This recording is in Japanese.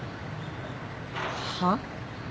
はっ？